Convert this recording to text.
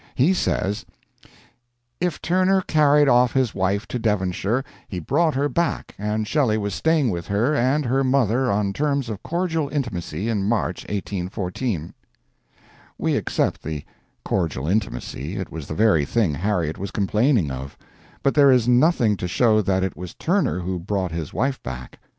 He says: "If Turner carried off his wife to Devonshire he brought her back and Shelley was staying with her and her mother on terms of cordial intimacy in March, 1814." We accept the "cordial intimacy" it was the very thing Harriet was complaining of but there is nothing to show that it was Turner who brought his wife back.